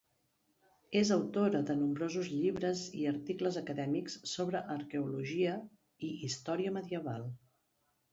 És autora de nombrosos llibres i articles acadèmics sobre arqueologia i història medieval.